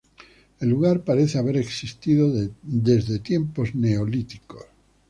El lugar parece haber existido desde tiempos neolíticos.